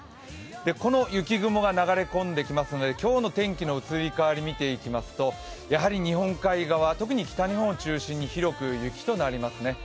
この雪雲が流れ込んできますので、今日の天気の移り変わりを見ていきますとやはり日本海側、特に北日本を中心に広く雪となりますね。